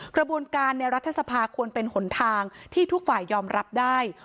กระบวนการในรัฐสภาควรเป็นหนทางที่ทุกฝ่ายยอมรับได้